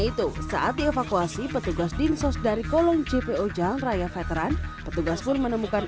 itu saat dievakuasi petugas dinsos dari kolom jpo jalan raya veteran petugas pun menemukan